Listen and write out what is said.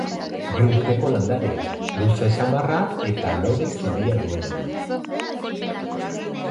Bi urteko landarea, luze samarra eta lore zuria duena.